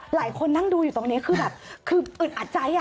หลายคนนั่งดูอยู่ตรงนี้คือแบบคืออึดอัดใจอ่ะ